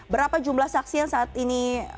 berapa jumlah saksi yang saat ini